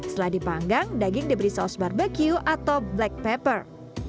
setelah dipanggang daging diberi saus barbecue atau black pepper